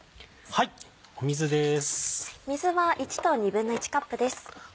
水です。